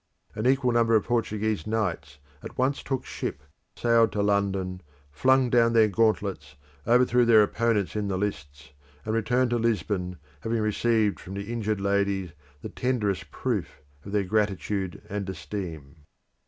An equal number of Portuguese knights at once took ship, sailed to London, flung down their gauntlets, overthrew their opponents in the lists, and returned to Lisbon having received from the injured ladies the tenderest proof of their gratitude and esteem.